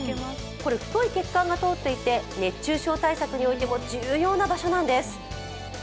これ、太い血管が通っていて、熱中症対策においても重要な場所なんです。